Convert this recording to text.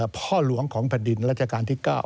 พ่อหลวงของบรรดินรัจการที่๙